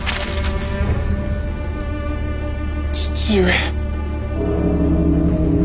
父上！